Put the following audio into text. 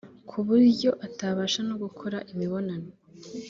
ku buryo atabasha no gukora imibonano